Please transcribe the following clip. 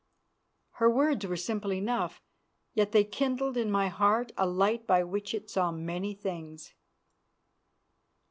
Her words were simple enough, yet they kindled in my heart a light by which it saw many things.